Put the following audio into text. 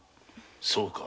そうか。